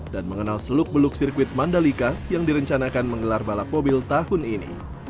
dan mengenal seluk beluk sirkuit mandalika yang direncanakan menggelar balap mobil tahun ini